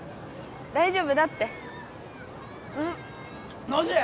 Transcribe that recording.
大丈夫だってノジ！